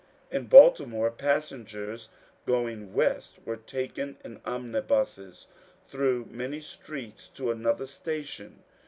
In Baltimore passengers going west were taken in omnibuses through many streets to another station.